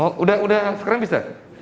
oh udah sekarang bisa